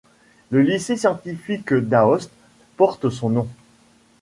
Le lycée scientifique d'Aoste porte son nom.